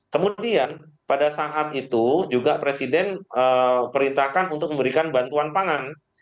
kemudian pada saat itu juga presiden perintahkan untuk memberikan bantuan pangan